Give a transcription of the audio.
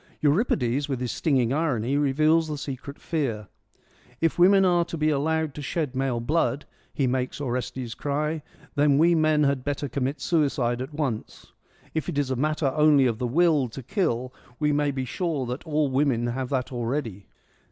Euripides, with his stinging irony, reveals the secret fear :' If women are to be allowed to shed male blood/ he makes Orestes cry, ' then we men had better commit suicide at once ; if it is a matter only of the will to kill, we may be sure that all f jESCHYLUS AND SOPHOCLES 75 women have that already.'